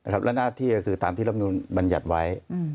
และหน้าที่ก็คือตามที่รับนูลบัญญัติไว้